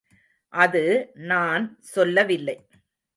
அது நான் சொல்லவில்லை.